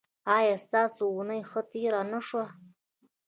ایا ستاسو اونۍ ښه تیره نه شوه؟